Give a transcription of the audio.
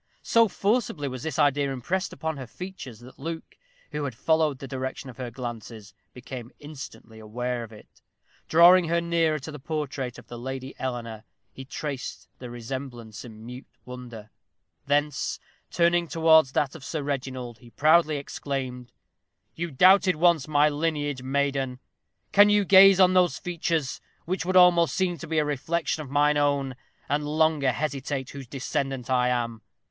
So forcibly was this idea impressed upon her features that Luke, who had followed the direction of her glances, became instantly aware of it. Drawing her nearer to the portrait of the Lady Eleanor, he traced the resemblance in mute wonder; thence, turning towards that of Sir Reginald, he proudly exclaimed: "You doubted once my lineage, maiden can you gaze on those features, which would almost seem to be a reflection of mine own, and longer hesitate whose descendant I am?